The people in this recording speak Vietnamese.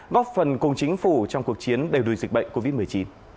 góp phần cùng chính phủ trong cuộc chiến đều đuổi dịch bệnh covid một mươi chín